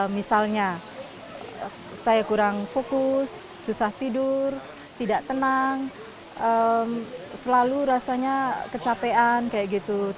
misalnya saya kurang fokus susah tidur tidak tenang selalu rasanya kecapean kayak gitu